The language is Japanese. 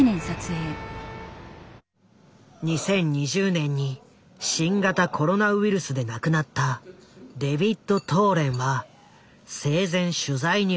２０２０年に新型コロナウイルスで亡くなったデヴィッド・トーレンは生前取材に応じてくれていた。